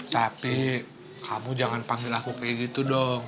tapi kamu jangan panggil aku kayak gitu dong